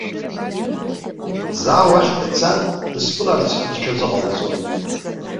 Заа уахь дцан, дысԥыларц лҽазыҟалҵоит.